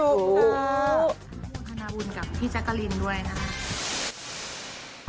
อนุโมทนาบุญกับพี่แจ๊กรีนด้วยนะคะ